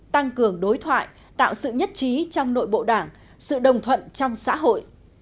tăng cường đối thoại tạo sự nhất trí trong nội bộ đảng sự đồng thuận trong xã hội